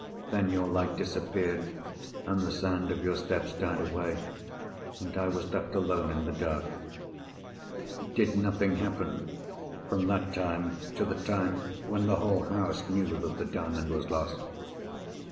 "Then, your light disappeared, and the sound of your steps died away, and I was left alone in the dark." "Did nothing happen—from that time, to the time when the whole house knew that the Diamond was lost?"